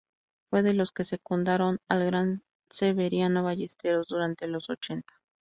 Fue de los que secundaron al gran Severiano Ballesteros durante los ochenta.